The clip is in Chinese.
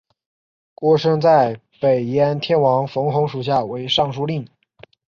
郭生在北燕天王冯弘属下为尚书令。